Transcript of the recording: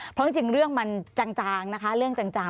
เพราะจริงเรื่องมันจางนะคะเรื่องจาง